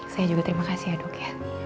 saya juga terima kasih ya dok ya